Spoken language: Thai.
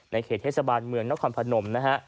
เขตเทศบาลเมืองนครพนมนะฮะ